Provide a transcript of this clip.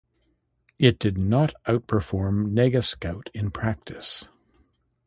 It did not outperform NegaScout in practice.